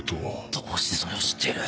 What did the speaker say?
どうしてそれを知っている？